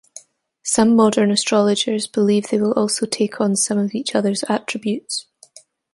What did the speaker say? Some modern astrologers believe they will also take on some of each other's attributes.